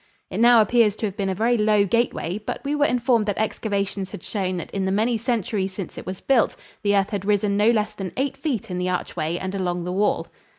It now appears to have been a very low gateway, but we were informed that excavations had shown that in the many centuries since it was built the earth had risen no less than eight feet in the archway and along the wall.